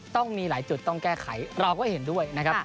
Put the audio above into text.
ต้องมีหลายจุดต้องแก้ไขเราก็เห็นด้วยนะครับ